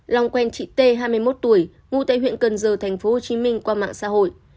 long quen chị tê hai mươi một tuổi ngụ tại huyện cần giờ tp hcm qua mạng xã hội